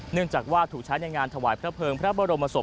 เนื่องจากว่าถูกใช้ในงานถวายพระเภิงพระบรมศพ